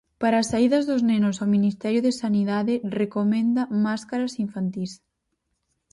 Para as saídas dos nenos o Ministerio de Sanidade recomenda máscaras infantís.